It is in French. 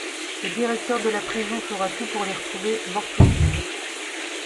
Le directeur de la prison fera tout pour les retrouver, mortes ou vives.